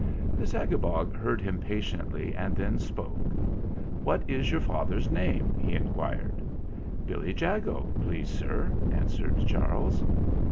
The Zagabog heard him patiently and then spoke. "What is your father's name ?" he inquired. "Billy Jago, please, sir," answered Charles.